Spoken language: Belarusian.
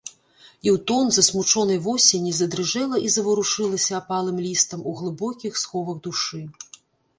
І ў тон засмучонай восені задрыжэла і заварушылася апалым лістам у глыбокіх сховах душы.